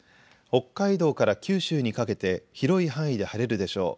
北海道から九州にかけて広い範囲で晴れるでしょう。